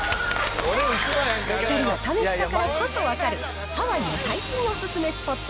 ２人が試したからこそ分かる、ハワイの最新お勧めスポット